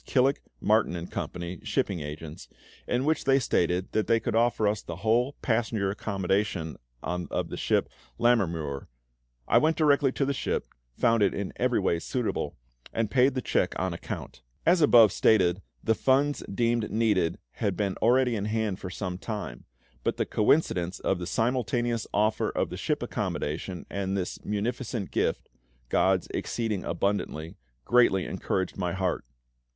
Killick, Martin and Co., shipping agents, in which they stated that they could offer us the whole passenger accommodation of the ship Lammermuir. I went direct to the ship, found it in every way suitable, and paid the cheque on account. As above stated, the funds deemed needed had been already in hand for some time; but the coincidence of the simultaneous offer of the ship accommodation and this munificent gift GOD'S "exceeding abundantly" greatly encouraged my heart.